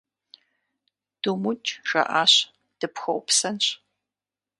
Думыукӏ, - жаӏащ,- дыпхуэупсэнщ.